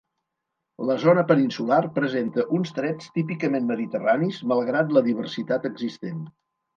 La zona peninsular presenta uns trets típicament mediterranis, malgrat la diversitat existent.